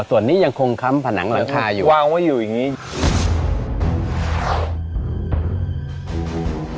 ส่วนนี้ยังคงค้ำผนังหลังคาอยู่วางไว้อยู่อย่างนี้